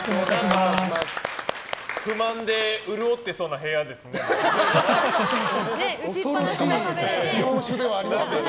不満で潤ってそうな部屋ですね。